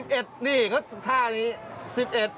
อ่า๑๑นี่ก็ท่านี้๑๑ชู้๒นิ้วเหรอ